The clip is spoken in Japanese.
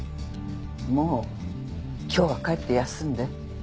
もう今日は帰って休んで。